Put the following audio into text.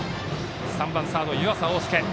３番サード、湯浅桜翼。